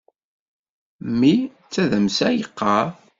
Mmi d tadamsa i yeqqar.